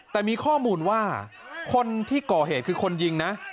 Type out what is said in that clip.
แต่มีข้อมูลว่าคนที่ก่อเหตุคือคนยิงนะ